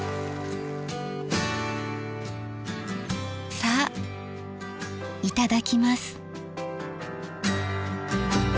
さあいただきます。